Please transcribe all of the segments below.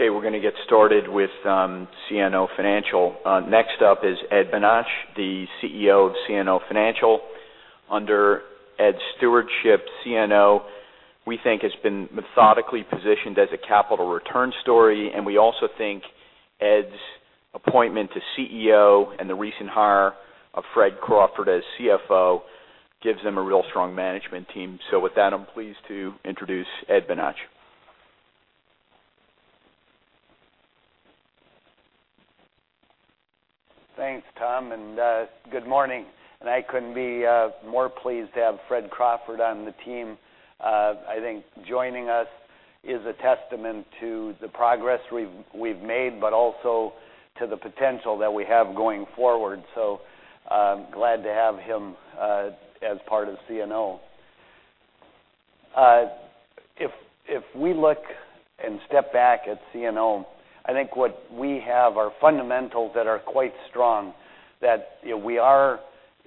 We're going to get started with CNO Financial. Next up is Ed Bonach, the CEO of CNO Financial. Under Ed's stewardship, CNO, we think, has been methodically positioned as a capital return story, and we also think Ed's appointment to CEO and the recent hire of Fred Crawford as CFO gives them a real strong management team. With that, I'm pleased to introduce Ed Bonach. Thanks, Tom, good morning. I couldn't be more pleased to have Fred Crawford on the team. I think joining us is a testament to the progress we've made, but also to the potential that we have going forward. Glad to have him as part of CNO. If we look and step back at CNO, I think what we have are fundamentals that are quite strong, that we are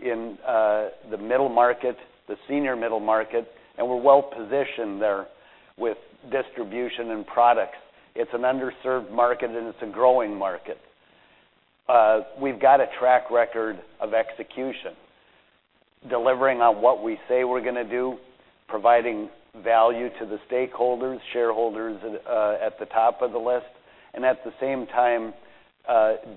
in the middle market, the senior middle market, and we're well-positioned there with distribution and products. It's an underserved market, and it's a growing market. We've got a track record of execution, delivering on what we say we're going to do, providing value to the stakeholders, shareholders at the top of the list, and at the same time,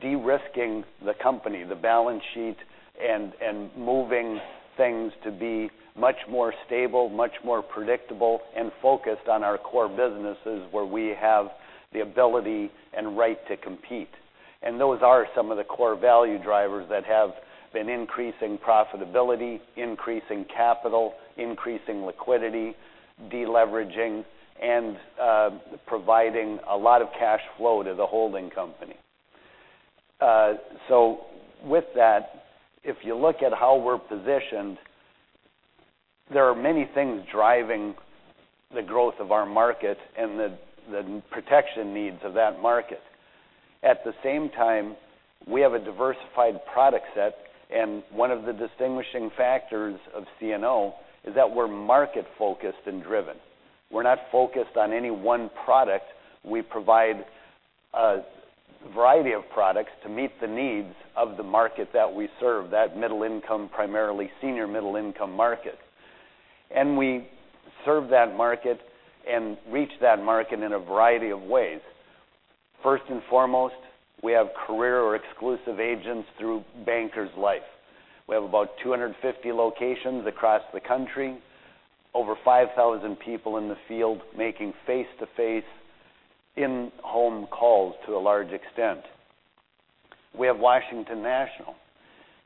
de-risking the company, the balance sheet, and moving things to be much more stable, much more predictable, and focused on our core businesses where we have the ability and right to compete. Those are some of the core value drivers that have been increasing profitability, increasing capital, increasing liquidity, de-leveraging, and providing a lot of cash flow to the holding company. With that, if you look at how we're positioned, there are many things driving the growth of our market and the protection needs of that market. At the same time, we have a diversified product set, and one of the distinguishing factors of CNO is that we're market-focused and driven. We're not focused on any one product. We provide a variety of products to meet the needs of the market that we serve, that middle income, primarily senior middle income market. We serve that market and reach that market in a variety of ways. First and foremost, we have career or exclusive agents through Bankers Life. We have about 250 locations across the country, over 5,000 people in the field making face-to-face in-home calls to a large extent. We have Washington National,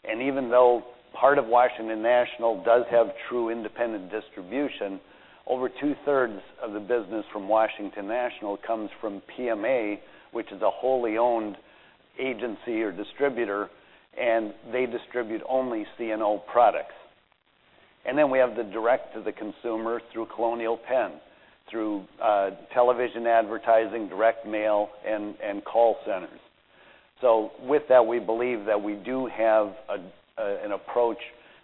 and even though part of Washington National does have true independent distribution, over two-thirds of the business from Washington National comes from PMA, which is a wholly owned agency or distributor, and they distribute only CNO products. Then we have the direct to the consumer through Colonial Penn, through television advertising, direct mail, and call centers. With that, we believe that we do have an approach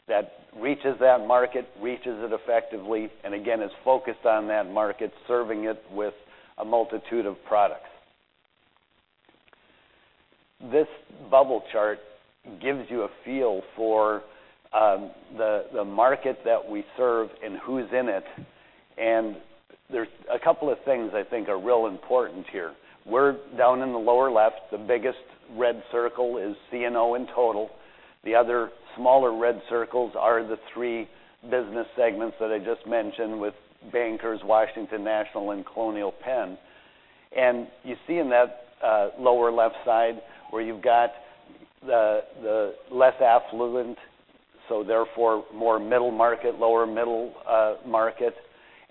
that reaches that market, reaches it effectively, and again, is focused on that market, serving it with a multitude of products. This bubble chart gives you a feel for the market that we serve and who's in it. There's a couple of things I think are real important here. We're down in the lower left. The biggest red circle is CNO in total. The other smaller red circles are the three business segments that I just mentioned with Bankers, Washington National, and Colonial Penn. You see in that lower left side where you've got the less affluent, so therefore, more middle market, lower middle market,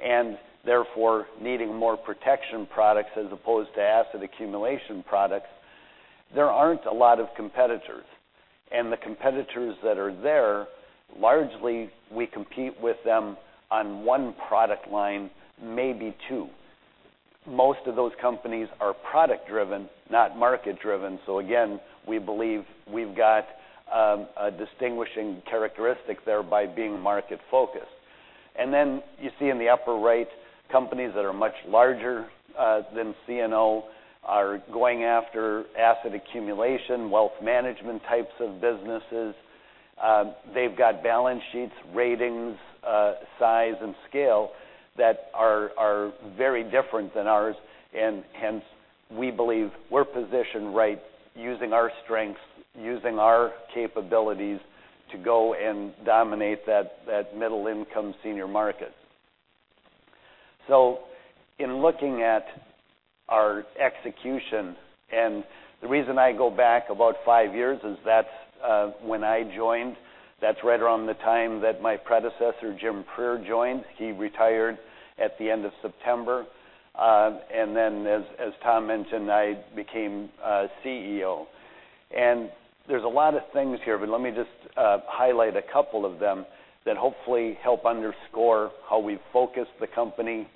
and therefore, needing more protection products as opposed to asset accumulation products. There aren't a lot of competitors, the competitors that are there, largely, we compete with them on one product line, maybe two. Most of those companies are product-driven, not market-driven. Again, we believe we've got a distinguishing characteristic there by being market-focused. Then you see in the upper right, companies that are much larger than CNO are going after asset accumulation, wealth management types of businesses. They've got balance sheets, ratings, size, and scale that are very different than ours. Hence, we believe we're positioned right using our strengths, using our capabilities to go and dominate that middle income senior market. In looking at our execution, and the reason I go back about five years is that's when I joined. That's right around the time that my predecessor, Jim Prieur, joined. He retired at the end of September. Then as Tom mentioned, I became CEO. There's a lot of things here, but let me just highlight a couple of them that hopefully help underscore how we focused the company,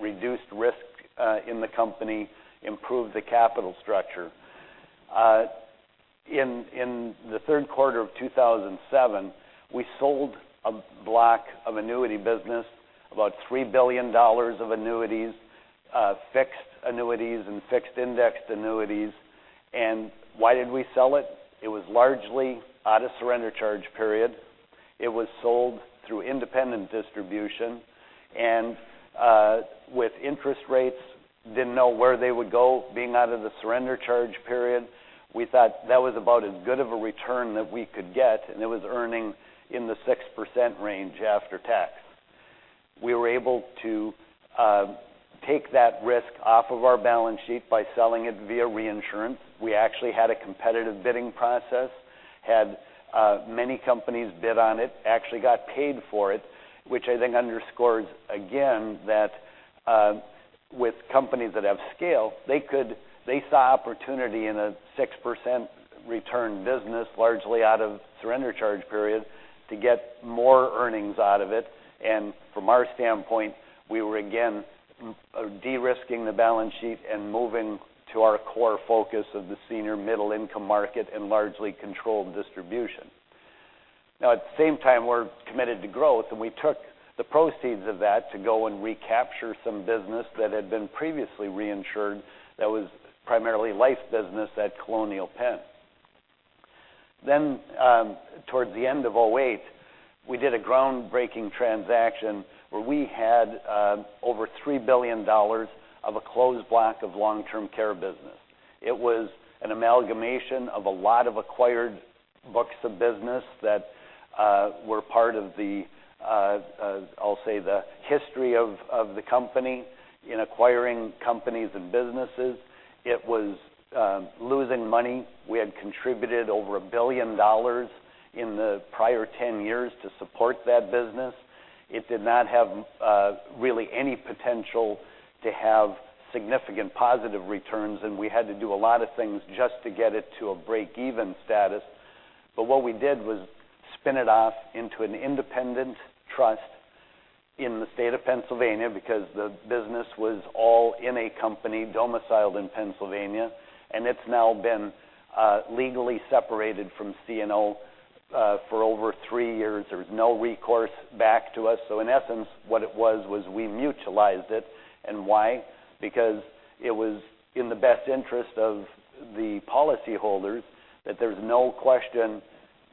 reduced risk in the company, improved the capital structure. In the third quarter of 2007, we sold a block of annuity business, about $3 billion of annuities, fixed annuities, and fixed indexed annuities. Why did we sell it? It was largely out of surrender charge period. It was sold through independent distribution, and with interest rates, didn't know where they would go, being out of the surrender charge period. We thought that was about as good of a return that we could get, and it was earning in the 6% range after tax. We were able to take that risk off of our balance sheet by selling it via reinsurance. We actually had a competitive bidding process, had many companies bid on it, actually got paid for it, which I think underscores, again, that with companies that have scale, they saw opportunity in a 6% return business, largely out of surrender charge period to get more earnings out of it. From our standpoint, we were again, de-risking the balance sheet and moving to our core focus of the senior middle-income market and largely controlled distribution. At the same time, we're committed to growth, and we took the proceeds of that to go and recapture some business that had been previously reinsured that was primarily life business at Colonial Penn. Towards the end of 2008, we did a groundbreaking transaction where we had over $3 billion of a closed block of long-term care business. It was an amalgamation of a lot of acquired books of business that were part of the, I'll say, the history of the company in acquiring companies and businesses. It was losing money. We had contributed over $1 billion in the prior 10 years to support that business. It did not have really any potential to have significant positive returns, and we had to do a lot of things just to get it to a break-even status. What we did was spin it off into an independent trust in the state of Pennsylvania because the business was all in a company domiciled in Pennsylvania, and it has now been legally separated from CNO for over three years. There is no recourse back to us. In essence, what it was we mutualized it. Why? It was in the best interest of the policyholders that there is no question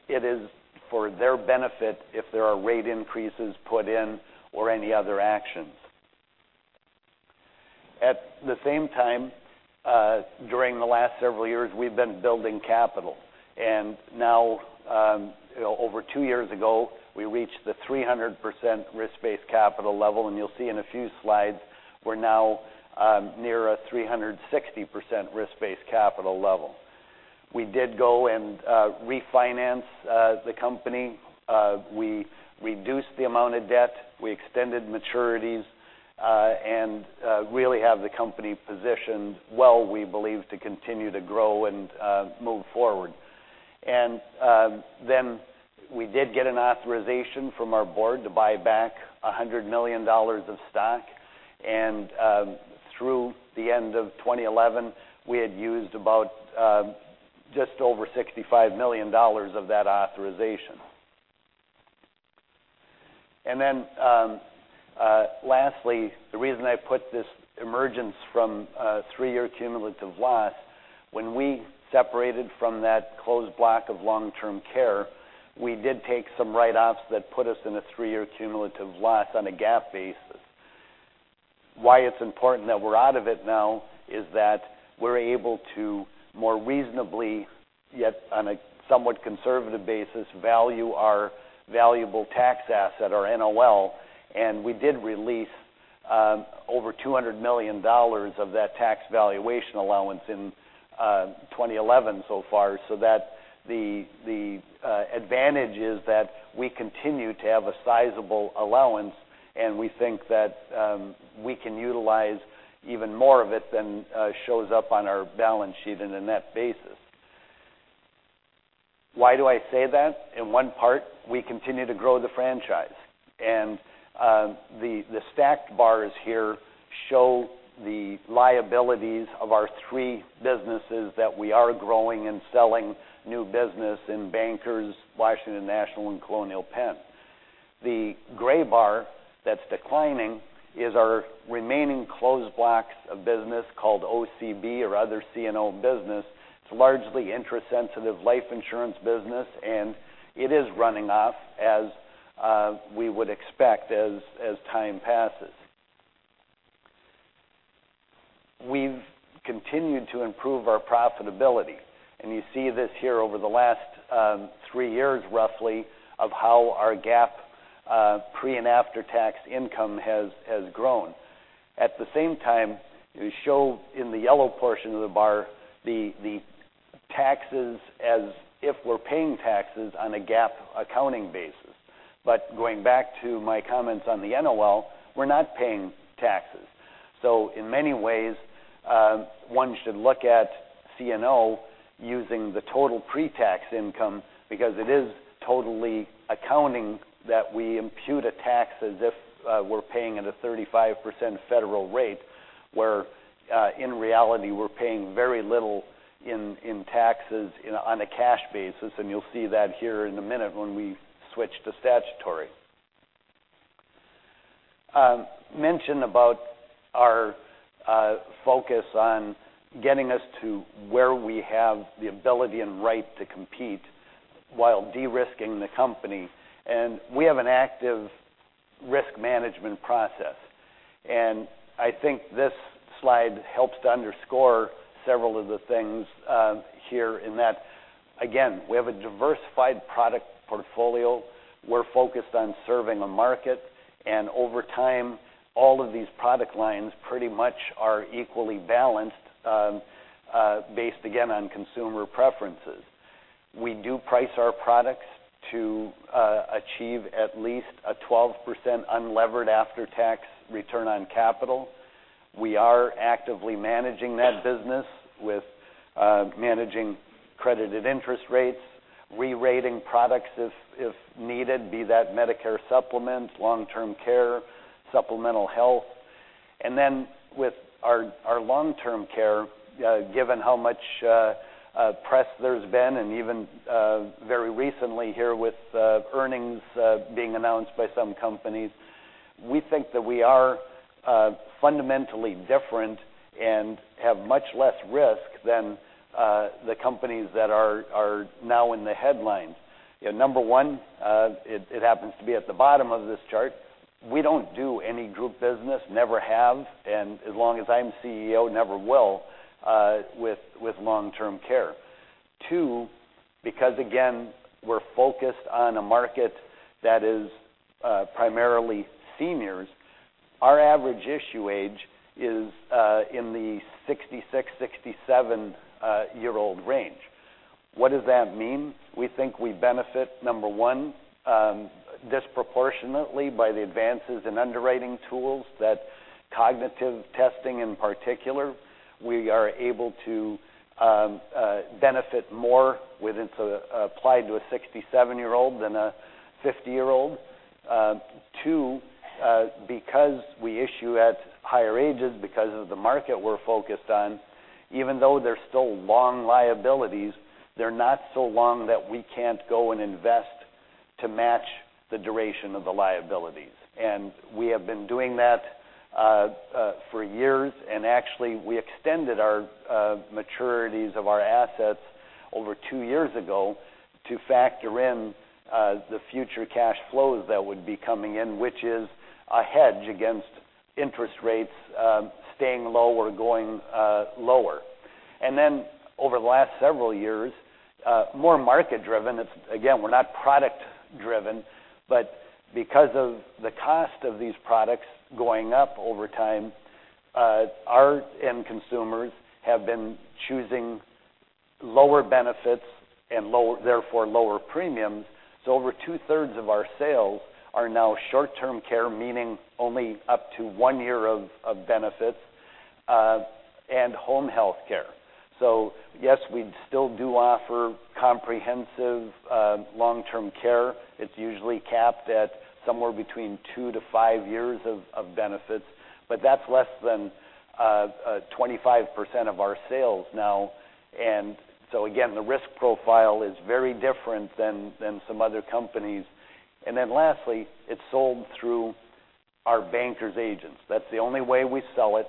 it is for their benefit if there are rate increases put in or any other actions. At the same time, during the last several years, we have been building capital. Now, over two years ago, we reached the 300% risk-based capital level, and you will see in a few slides, we are now near a 360% risk-based capital level. We did go and refinance the company. We reduced the amount of debt. We extended maturities, and really have the company positioned well, we believe, to continue to grow and move forward. We did get an authorization from our board to buy back $100 million of stock. Through the end of 2011, we had used about just over $65 million of that authorization. Lastly, the reason I put this emergence from a three-year cumulative loss, when we separated from that closed block of long-term care, we did take some write-offs that put us in a three-year cumulative loss on a GAAP basis. Why it is important that we are out of it now is that we are able to more reasonably, yet on a somewhat conservative basis, value our valuable tax asset, our NOL, and we did release over $200 million of that tax valuation allowance in 2011 so far. The advantage is that we continue to have a sizable allowance, and we think that we can utilize even more of it than shows up on our balance sheet in a net basis. Why do I say that? In one part, we continue to grow the franchise. The stacked bars here show the liabilities of our three businesses that we are growing and selling new business in Bankers, Washington National, and Colonial Penn. The gray bar that is declining is our remaining closed blocks of business called OCB or Other CNO Business. It is largely interest-sensitive life insurance business, and it is running off as we would expect as time passes. We have continued to improve our profitability. You see this here over the last three years, roughly, of how our GAAP pre and after-tax income has grown. At the same time, we show in the yellow portion of the bar the taxes as if we are paying taxes on a GAAP accounting basis. Going back to my comments on the NOL, we are not paying taxes. In many ways, one should look at CNO using the total pre-tax income because it is totally accounting that we impute a tax as if we're paying at a 35% federal rate. In reality, we're paying very little in taxes on a cash basis, and you'll see that here in a minute when we switch to statutory. Mention about our focus on getting us to where we have the ability and right to compete while de-risking the company. We have an active risk management process. I think this slide helps to underscore several of the things here in that. We have a diversified product portfolio. We're focused on serving a market. Over time, all of these product lines pretty much are equally balanced, based again on consumer preferences. We do price our products to achieve at least a 12% unlevered after-tax return on capital. We are actively managing that business with managing credited interest rates, re-rating products if needed, be that Medicare Supplement, long-term care, supplemental health. With our long-term care, given how much press there's been, and even very recently here with earnings being announced by some companies, we think that we are fundamentally different and have much less risk than the companies that are now in the headlines. Number one, it happens to be at the bottom of this chart. We don't do any group business, never have, and as long as I'm CEO, never will, with long-term care. Two, because again, we're focused on a market that is primarily seniors, our average issue age is in the 66, 67-year-old range. What does that mean? We think we benefit, number one, disproportionately by the advances in underwriting tools, that cognitive testing in particular. We are able to benefit more when it's applied to a 67-year-old than a 50-year-old. Two, because we issue at higher ages because of the market we're focused on, even though they're still long liabilities, they're not so long that we can't go and invest to match the duration of the liabilities. We have been doing that for years. Actually, we extended our maturities of our assets over two years ago to factor in the future cash flows that would be coming in, which is a hedge against interest rates staying low or going lower. Over the last several years, more market driven, again, we're not product driven, but because of the cost of these products going up over time, our end consumers have been choosing lower benefits and therefore lower premiums. Over two-thirds of our sales are now short-term care, meaning only up to one year of benefits, and home health care. Yes, we still do offer comprehensive long-term care. It's usually capped at somewhere between two to five years of benefits, but that's less than 25% of our sales now. Again, the risk profile is very different than some other companies. Lastly, it's sold through our Bankers' agents. That's the only way we sell it.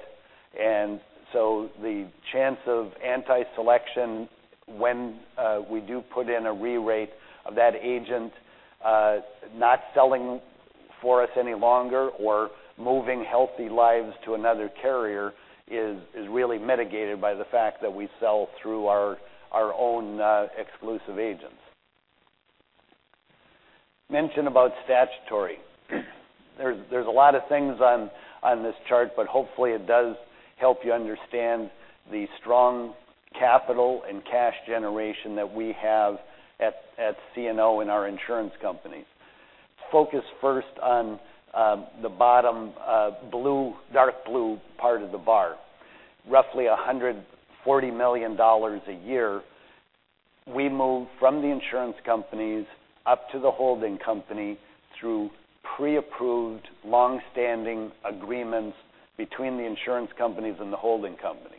The chance of anti-selection when we do put in a re-rate of that agent not selling for us any longer or moving healthy lives to another carrier is really mitigated by the fact that we sell through our own exclusive agents. Mention about statutory. There's a lot of things on this chart, but hopefully it does help you understand the strong capital and cash generation that we have at CNO in our insurance companies. Focus first on the bottom dark blue part of the bar. Roughly $140 million a year, we move from the insurance companies up to the holding company through pre-approved, long-standing agreements between the insurance companies and the holding company.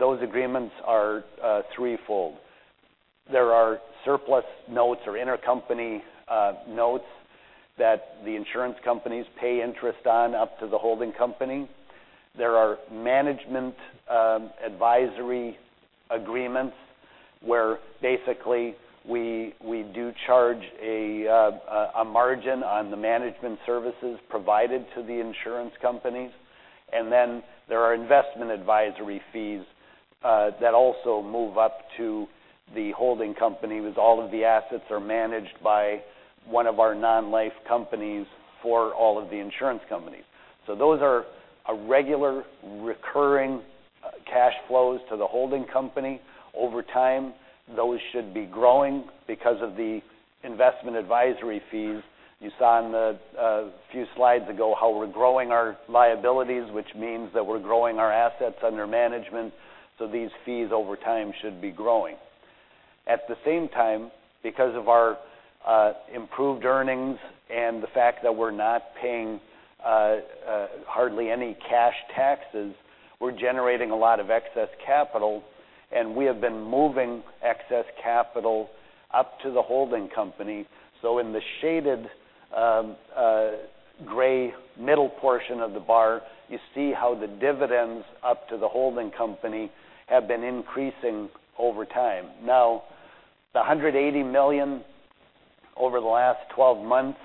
Those agreements are threefold. There are surplus notes or intercompany notes that the insurance companies pay interest on up to the holding company. There are management advisory agreements, where basically we do charge a margin on the management services provided to the insurance companies. There are investment advisory fees that also move up to the holding company, because all of the assets are managed by one of our non-life companies for all of the insurance companies. Those are regular recurring cash flows to the holding company. Over time, those should be growing because of the investment advisory fees. You saw on the few slides ago how we're growing our liabilities, which means that we're growing our assets under management, these fees over time should be growing. At the same time, because of our improved earnings and the fact that we're not paying hardly any cash taxes, we're generating a lot of excess capital, and we have been moving excess capital up to the holding company. In the shaded gray middle portion of the bar, you see how the dividends up to the holding company have been increasing over time. The $180 million over the last 12 months,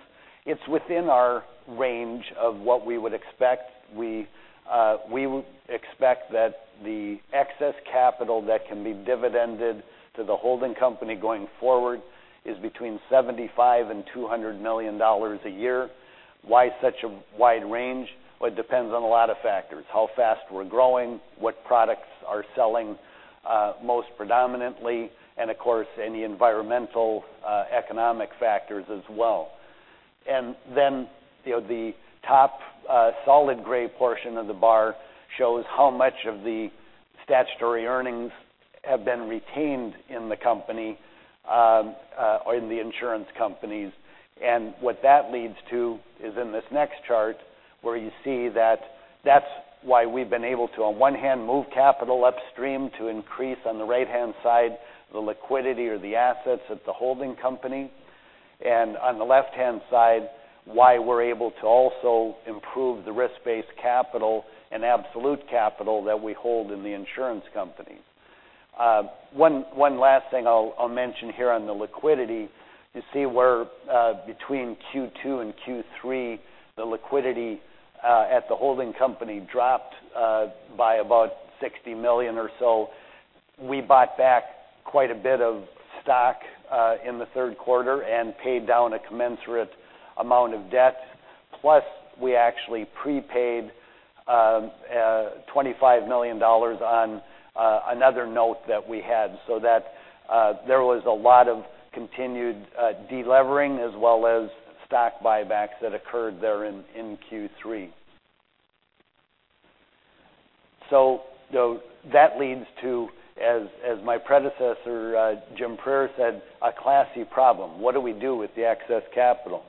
it's within our range of what we would expect. We would expect that the excess capital that can be dividended to the holding company going forward is between $75 million and $200 million a year. Why such a wide range? Well, it depends on a lot of factors: how fast we're growing, what products are selling most predominantly, and of course, any environmental economic factors as well. The top solid gray portion of the bar shows how much of the statutory earnings have been retained in the company, or in the insurance companies. What that leads to is in this next chart, where you see that that's why we've been able to, on one hand, move capital upstream to increase, on the right-hand side, the liquidity or the assets at the holding company. On the left-hand side, why we're able to also improve the risk-based capital and absolute capital that we hold in the insurance company. One last thing I'll mention here on the liquidity, you see where between Q2 and Q3, the liquidity at the holding company dropped by about $60 million or so. We bought back quite a bit of stock in the third quarter and paid down a commensurate amount of debt. Plus, we actually prepaid $25 million on another note that we had, so that there was a lot of continued de-levering as well as stock buybacks that occurred there in Q3. That leads to, as my predecessor, Jim Prieur, said, a classy problem. What do we do with the excess capital?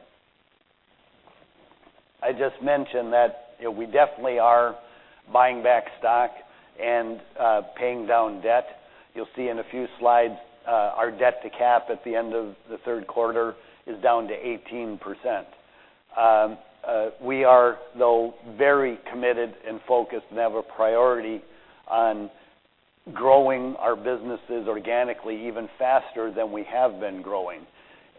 I just mentioned that we definitely are buying back stock and paying down debt. You'll see in a few slides our debt to cap at the end of the third quarter is down to 18%. We are, though, very committed and focused and have a priority on growing our businesses organically even faster than we have been growing.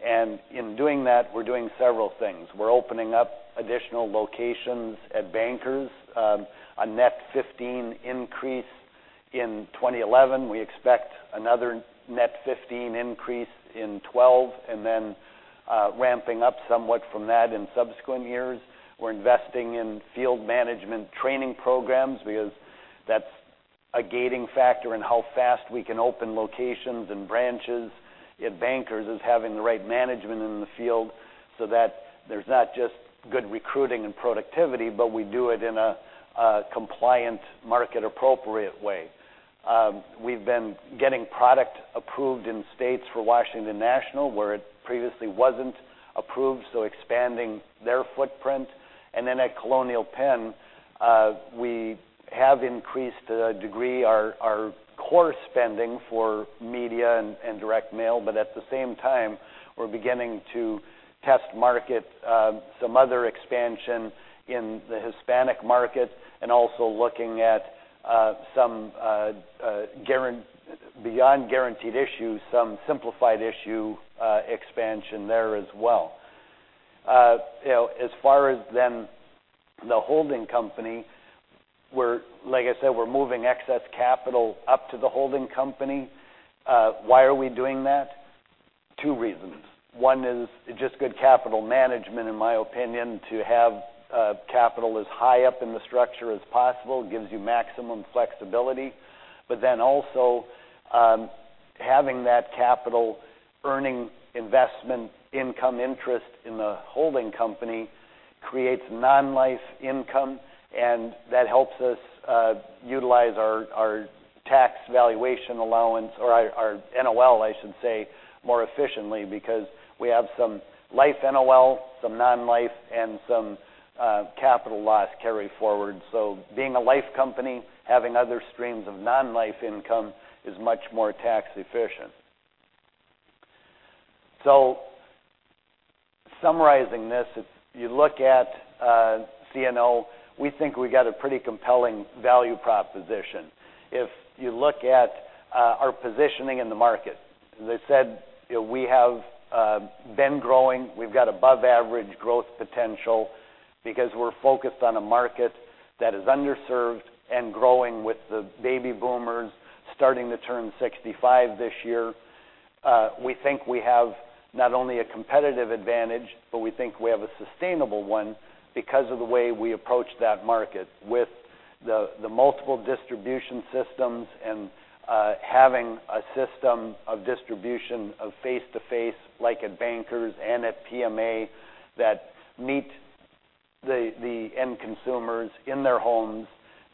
In doing that, we're doing several things. We're opening up additional locations at Bankers, a net 15 increase in 2011. We expect another net 15 increase in 2012, ramping up somewhat from that in subsequent years. We're investing in field management training programs because that's a gating factor in how fast we can open locations and branches at Bankers is having the right management in the field so that there's not just good recruiting and productivity, but we do it in a compliant market-appropriate way. We've been getting product approved in states for Washington National where it previously wasn't approved, so expanding their footprint. At Colonial Penn, we have increased a degree our core spending for media and direct mail. At the same time, we're beginning to test market some other expansion in the Hispanic market and also looking at some beyond guaranteed issue, some simplified issue expansion there as well. As far as the holding company, like I said, we're moving excess capital up to the holding company. Why are we doing that? Two reasons. One is just good capital management, in my opinion, to have capital as high up in the structure as possible gives you maximum flexibility. Also having that capital earning investment income interest in the holding company creates non-life income, and that helps us utilize our tax valuation allowance or our NOL, I should say, more efficiently because we have some life NOL, some non-life, and some capital loss carryforward. Being a life company, having other streams of non-life income is much more tax efficient. Summarizing this, if you look at CNO, we think we got a pretty compelling value proposition. If you look at our positioning in the market, as I said, we have been growing. We've got above-average growth potential because we're focused on a market that is underserved and growing with the baby boomers starting to turn 65 this year. We think we have not only a competitive advantage, but we think we have a sustainable one because of the way we approach that market with the multiple distribution systems and having a system of distribution of face-to-face, like at Bankers and at PMA, that meet the end consumers in their homes.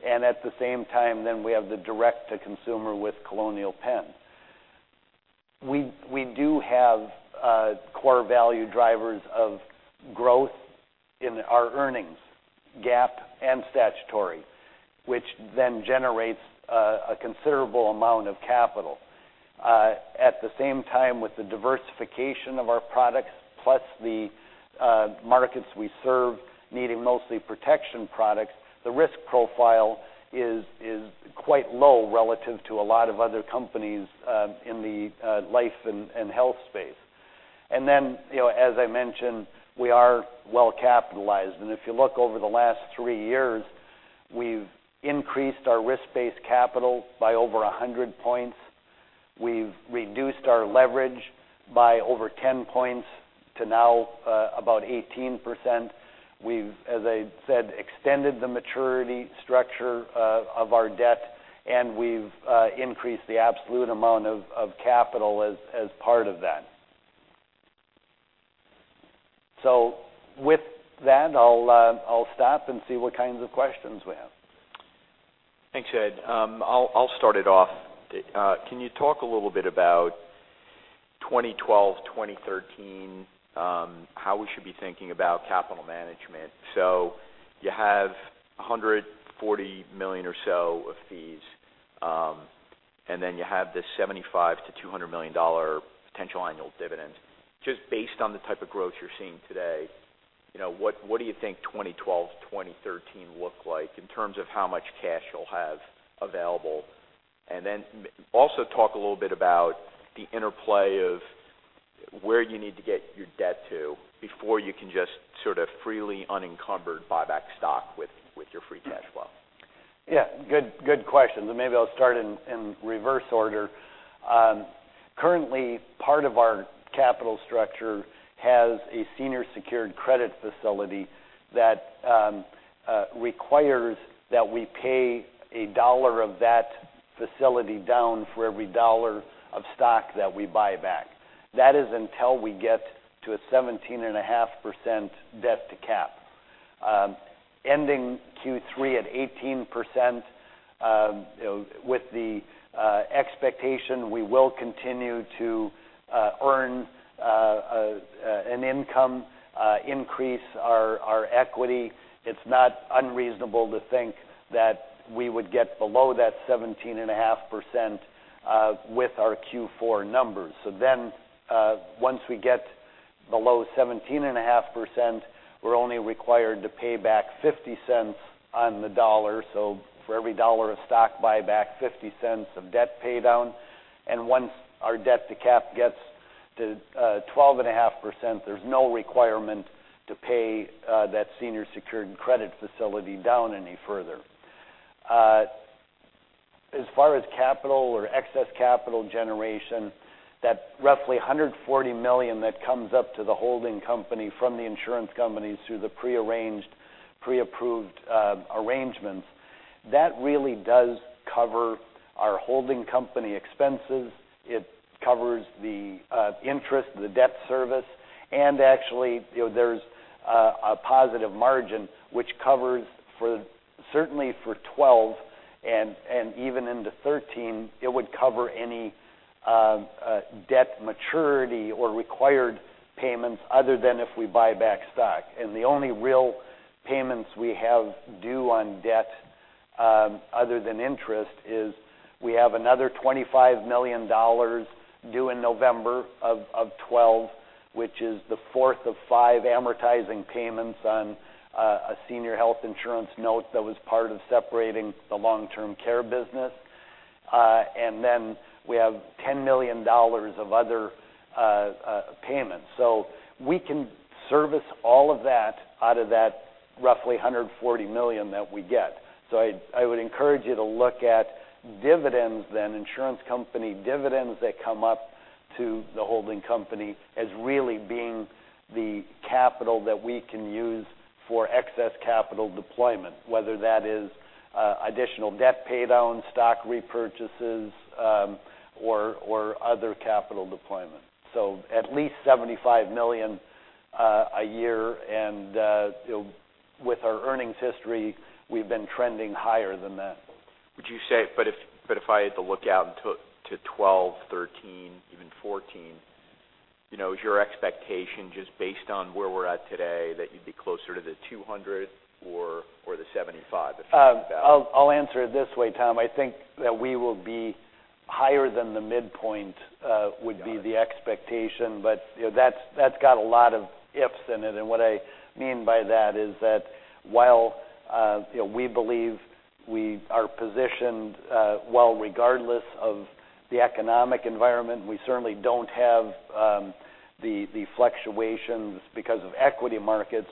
At the same time, we have the direct-to-consumer with Colonial Penn. We do have core value drivers of growth in our earnings, GAAP and statutory, which generates a considerable amount of capital. At the same time, with the diversification of our products, plus the markets we serve needing mostly protection products, the risk profile is quite low relative to a lot of other companies in the life and health space. As I mentioned, we are well capitalized. If you look over the last three years, we've increased our risk-based capital by over 100 points. We've reduced our leverage by over 10 points to now about 18%. We've, as I said, extended the maturity structure of our debt, and we've increased the absolute amount of capital as part of that. With that, I'll stop and see what kinds of questions we have. Thanks, Ed. I will start it off. Can you talk a little bit about 2012, 2013, how we should be thinking about capital management? You have $140 million or so of fees, and then you have this $75 million to $200 million potential annual dividend. Just based on the type of growth you are seeing today, what do you think 2012, 2013 look like in terms of how much cash you will have available? Also talk a little bit about the interplay of where you need to get your debt to before you can just freely unencumbered buy back stock with your free cash flow. Yeah. Good question. Maybe I will start in reverse order. Currently, part of our capital structure has a senior secured credit facility that requires that we pay $1 of that facility down for every $1 of stock that we buy back. That is until we get to a 17.5% debt to cap. Ending Q3 at 18%, with the expectation we will continue to earn an income, increase our equity. It is not unreasonable to think that we would get below that 17.5% with our Q4 numbers. Once we get below 17.5%, we are only required to pay back $0.50 on the dollar. For every $1 of stock buyback, $0.50 of debt pay down. Once our debt to cap gets to 12.5%, there is no requirement to pay that senior secured credit facility down any further. As far as capital or excess capital generation, that roughly $140 million that comes up to the holding company from the insurance companies through the pre-arranged, pre-approved arrangements, that really does cover our holding company expenses. It covers the interest, the debt service, and actually, there is a positive margin which covers certainly for 2012 and even into 2013, it would cover any debt maturity or required payments other than if we buy back stock. The only real payments we have due on debt other than interest is we have another $25 million due in November of 2012, which is the fourth of five amortizing payments on a Senior Health Insurance Company of Pennsylvania note that was part of separating the long-term care business. We have $10 million of other payments. We can service all of that out of that roughly $140 million that we get. I would encourage you to look at dividends then, insurance company dividends that come up to the holding company as really being the capital that we can use for excess capital deployment, whether that is additional debt pay down, stock repurchases or other capital deployment. At least $75 million a year, and with our earnings history, we have been trending higher than that. Would you say, if I had to look out to 2012, 2013, even 2014, is your expectation just based on where we're at today, that you'd be closer to the $200 million or the $75 million, the $70 million? I'll answer it this way, Tom. I think that we will be higher than the midpoint would be the expectation. That's got a lot of ifs in it, what I mean by that is that while we believe we are positioned well regardless of the economic environment, we certainly don't have the fluctuations because of equity markets.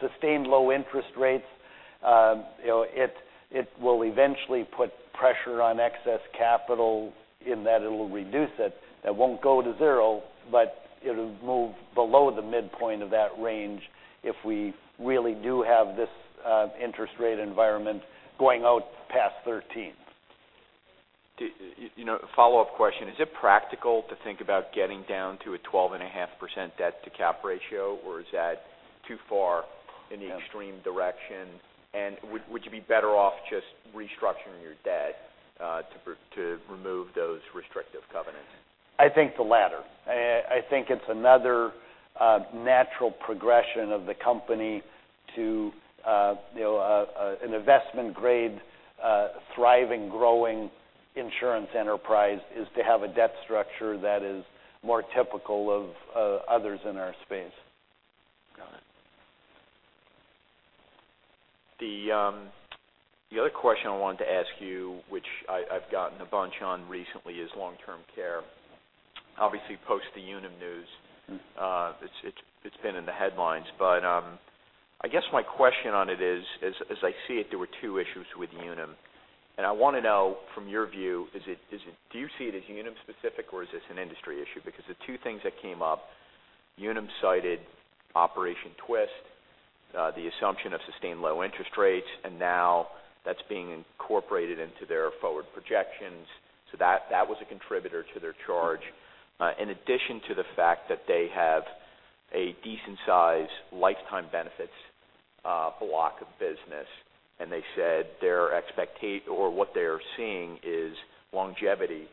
Sustained low interest rates, it'll eventually put pressure on excess capital in that it'll reduce it. It won't go to zero, but it'll move below the midpoint of that range if we really do have this interest rate environment going out past 2013. A follow-up question, is it practical to think about getting down to a 12.5% debt to cap ratio, or is that too far in the extreme direction? Would you be better off just restructuring your debt to remove those restrictive covenants? I think the latter. I think it's another natural progression of the company to an investment-grade thriving, growing insurance enterprise is to have a debt structure that is more typical of others in our space. Got it. The other question I wanted to ask you, which I've gotten a bunch on recently, is long-term care. Obviously, post the Unum news, it's been in the headlines. I guess my question on it is, as I see it, there were two issues with Unum, and I want to know from your view, do you see it as Unum specific or is this an industry issue? Because the two things that came up, Unum cited Operation Twist, the assumption of sustained low interest rates, and now that's being incorporated into their forward projections. That was a contributor to their charge. In addition to the fact that they have a decent size lifetime benefits block of business, and they said what they're seeing is longevity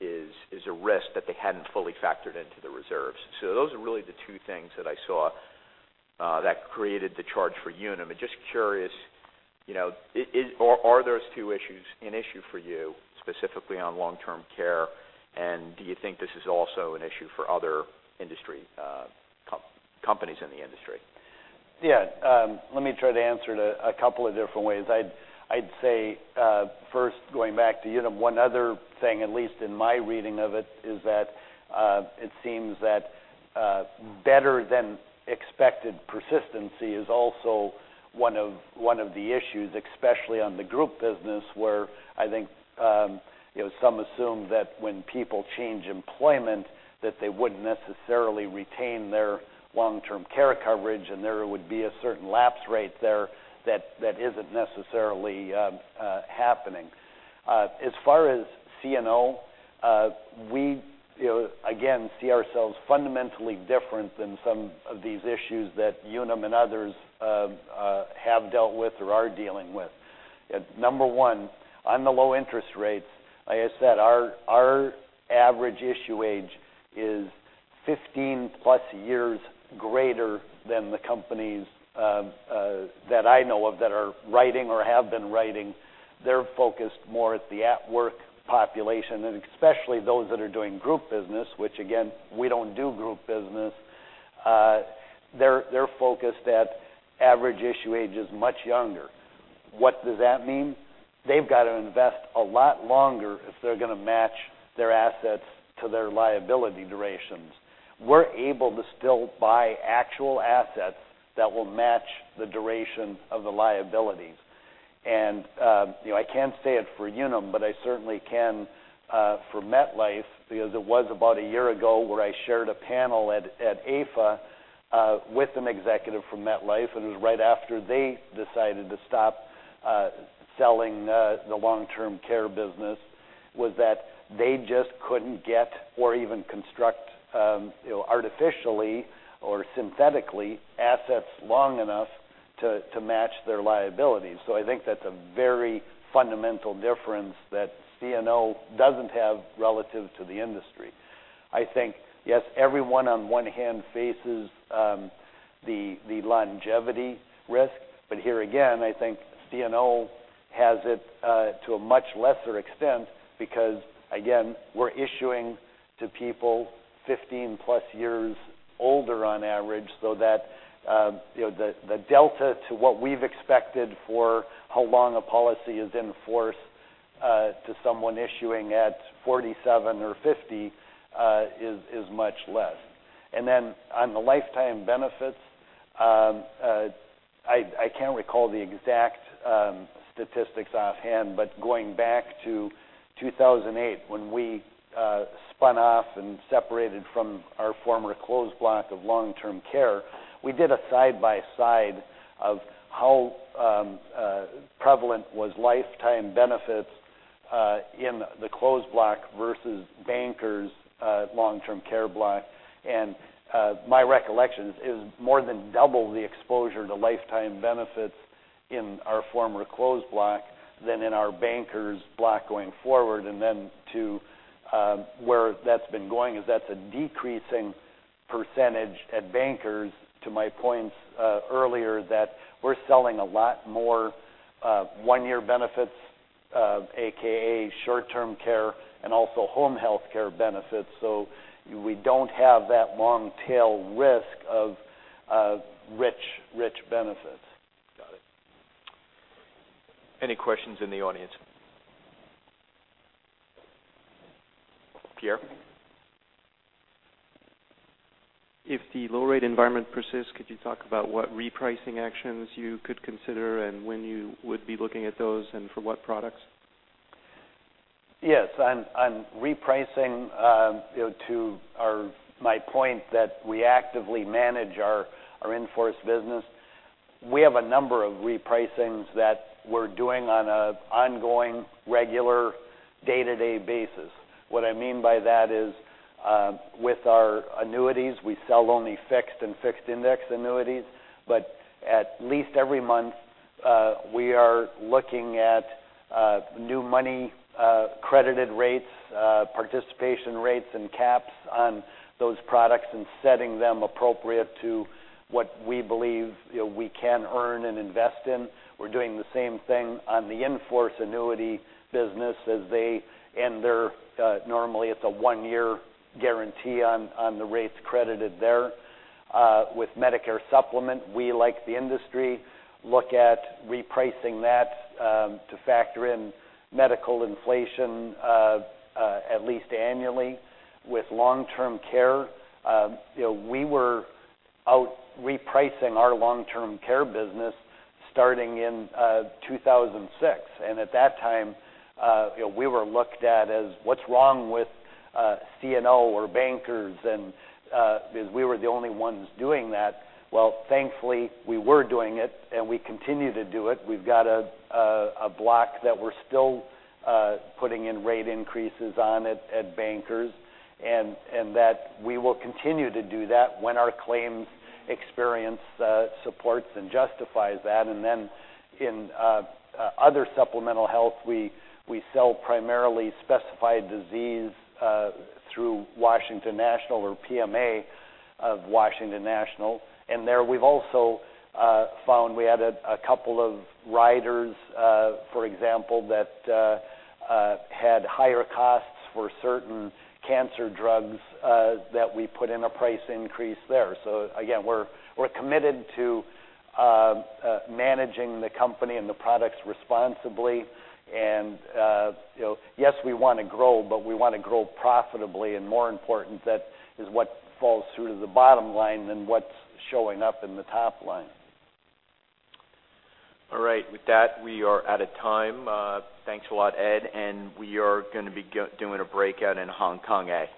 is a risk that they hadn't fully factored into the reserves. Those are really the two things that I saw that created the charge for Unum. Just curious, are those two issues an issue for you, specifically on long-term care, and do you think this is also an issue for other companies in the industry? Yeah. Let me try to answer it a couple of different ways. I'd say first going back to Unum, one other thing, at least in my reading of it, is that it seems that better than expected persistency is also one of the issues, especially on the group business, where I think some assume that when people change employment that they wouldn't necessarily retain their long-term care coverage and there would be a certain lapse rate there that isn't necessarily happening. As far as CNO, we again see ourselves fundamentally different than some of these issues that Unum and others have dealt with or are dealing with. Number one, on the low interest rates, like I said, our average issue age is 15 plus years greater than the companies that I know of that are writing or have been writing. They're focused more at the at work population, and especially those that are doing group business, which again, we don't do group business. Their focus at average issue age is much younger. What does that mean? They've got to invest a lot longer if they're going to match their assets to their liability durations. We're able to still buy actual assets that will match the duration of the liabilities. I can't say it for Unum, but I certainly can for MetLife because it was about a year ago where I shared a panel at AIFA with an executive from MetLife, and it was right after they decided to stop selling the long-term care business, was that they just couldn't get or even construct artificially or synthetically assets long enough to match their liabilities. I think that's a very fundamental difference that CNO doesn't have relative to the industry. I think, yes, everyone on one hand faces the longevity risk. Here again, I think CNO has it to a much lesser extent because, again, we're issuing to people 15+ years older on average, so that the delta to what we've expected for how long a policy is in force to someone issuing at 47 or 50 is much less. On the lifetime benefits, I can't recall the exact statistics offhand. Going back to 2008 when we spun off and separated from our former closed block of long-term care, we did a side-by-side of how prevalent was lifetime benefits in the closed block versus Bankers' long-term care block. My recollection is more than double the exposure to lifetime benefits in our former closed block than in our Bankers block going forward. To where that's been going is that's a decreasing percentage at Bankers to my points earlier that we're selling a lot more one-year benefits, AKA short-term care, and also home health care benefits. We don't have that long tail risk of rich benefits. Got it. Any questions in the audience? Pierre? If the low rate environment persists, could you talk about what repricing actions you could consider and when you would be looking at those, and for what products? Yes. On repricing, to my point that we actively manage our in-force business. We have a number of repricings that we're doing on an ongoing, regular, day-to-day basis. What I mean by that is, with our annuities, we sell only fixed and fixed index annuities. At least every month, we are looking at new money, credited rates, participation rates, and caps on those products, and setting them appropriate to what we believe we can earn and invest in. We're doing the same thing on the in-force annuity business as they end their, normally, it's a one-year guarantee on the rates credited there. With Medicare Supplement, we, like the industry, look at repricing that to factor in medical inflation at least annually. With long-term care, we were out repricing our long-term care business starting in 2006. At that time, we were looked at as, "What's wrong with CNO or Bankers?" Because we were the only ones doing that. Well, thankfully, we were doing it and we continue to do it. We've got a block that we're still putting in rate increases on at Bankers, and that we will continue to do that when our claims experience supports and justifies that. Then in other supplemental health, we sell primarily specified disease through Washington National or PMA of Washington National. There, we've also found we added a couple of riders, for example, that had higher costs for certain cancer drugs that we put in a price increase there. Again, we're committed to managing the company and the products responsibly. Yes, we want to grow, but we want to grow profitably. More important, that is what falls through to the bottom line than what's showing up in the top line. All right. With that, we are out of time. Thanks a lot, Ed. We are going to be doing a breakout in Hong Kong next